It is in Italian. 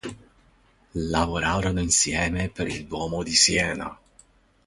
Lavorarono insieme per il Duomo di Siena.